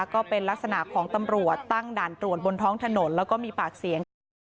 ก็เป็นลักษณะของตำรวจตั้งด่านตรวจบนท้องถนนแล้วก็มีปากเสียงกัน